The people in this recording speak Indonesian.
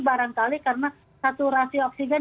barangkali karena saturasi oksigen